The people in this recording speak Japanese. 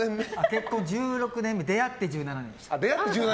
結婚１６年目出会って１７年です。